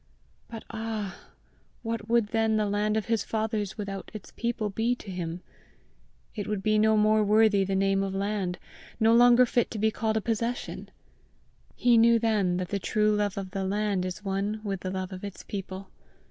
But ah, what would then the land of his fathers without its people be to him! It would be no more worthy the name of land, no longer fit to be called a possession! He knew then that the true love of the land is one with the love of its people.